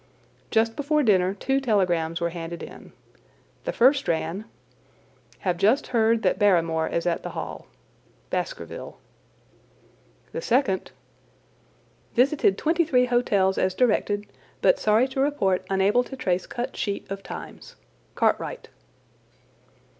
Just before dinner two telegrams were handed in. The first ran: Have just heard that Barrymore is at the Hall. BASKERVILLE. The second: Visited twenty three hotels as directed, but sorry to report unable to trace cut sheet of Times. CARTWRIGHT.